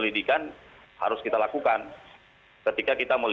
tentang kematian anak kecil